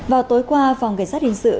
vào tối qua phòng cảnh sát hình sự